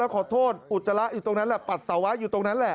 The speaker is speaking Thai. ขอโทษอุจจาระอยู่ตรงนั้นแหละปัสสาวะอยู่ตรงนั้นแหละ